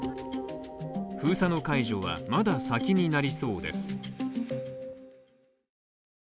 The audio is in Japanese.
封鎖の解除は、まだ先になりそうです。